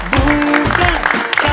bukan kau tak perlu hati